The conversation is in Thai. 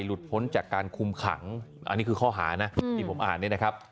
พ้นจากการคุมขังอันนี้คือข้อหานะที่ผมอ่านเนี่ยนะครับ